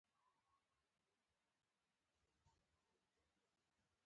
د ورېښمو چینجي پکې روزي.